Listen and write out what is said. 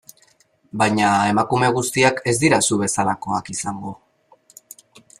Baina emakume guztiak ez dira zu bezalakoak izango...